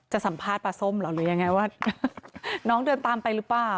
สัมภาษณ์ปลาส้มเหรอหรือยังไงว่าน้องเดินตามไปหรือเปล่า